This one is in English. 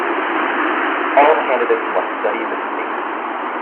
All candidates must study this theme.